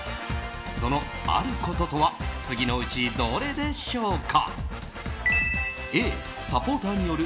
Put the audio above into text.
そのあることとは次のうち、どれでしょうか？